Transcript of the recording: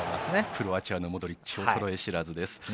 クロアチアのモドリッチ衰え知らずです。